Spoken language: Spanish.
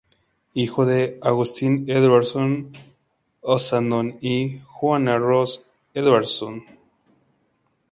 Hijo de Agustín Edwards Ossandón y Juana Ross Edwards.